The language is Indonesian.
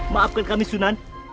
maafkan kami sunan